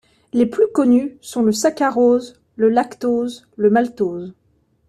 Les plus connus sont le saccharose, le lactose, le maltose.